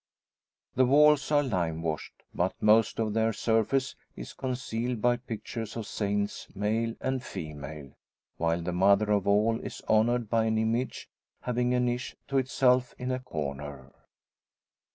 The walls are lime washed, but most of their surface is concealed by pictures of saints male and female; while the mother of all is honoured by an image, having a niche to itself, in a corner.